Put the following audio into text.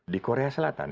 di korea selatan